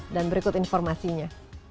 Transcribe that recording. dan berikut informasinya